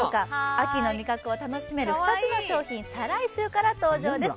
秋の味覚を楽しめる２つの商品、再来週から登場です。